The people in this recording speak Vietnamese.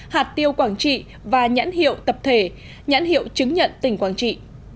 hạt tiêu quảng trị và nhãn hiệu tập thể nhãn hiệu chứng nhận tỉnh quảng trị